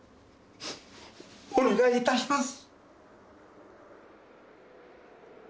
お願い致します。